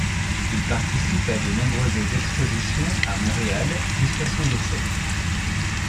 Il participe à de nombreuses expositions à Montréal jusqu'à son décès.